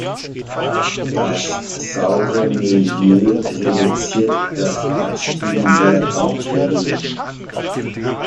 Das saure Milieu reduziert das Wachstum der Bakterien.